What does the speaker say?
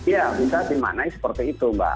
ya bisa dimaknai seperti itu mbak